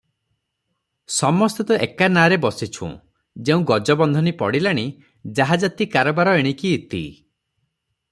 ସମସ୍ତେ ତ ଏକା ନାରେ ବସିଛୁଁ - ଯେଉଁ ଗଜବନ୍ଧନୀ ପଡ଼ିଲାଣି, ଜାହାଜାତି କାରବାର ଏଣିକି ଇତି ।